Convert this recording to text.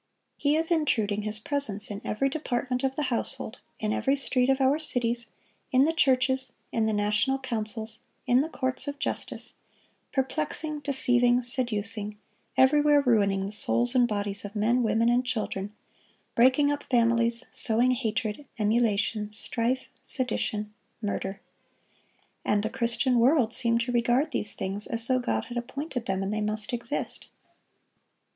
He is intruding his presence in every department of the household, in every street of our cities, in the churches, in the national councils, in the courts of justice, perplexing, deceiving, seducing, everywhere ruining the souls and bodies of men, women, and children, breaking up families, sowing hatred, emulation, strife, sedition, murder. And the Christian world seem to regard these things as though God had appointed them, and they must exist.